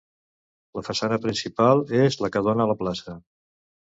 La façana principal és la que dóna a la plaça.